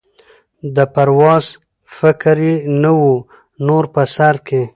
د پرواز فکر یې نه وو نور په سر کي